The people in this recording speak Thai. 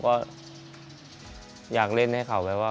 ผมก็อยากเล่นให้เขา